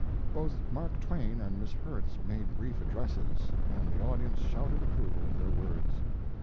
Both Mark Twain and Miss Herts made brief addresses, and the audience shouted approval of their words.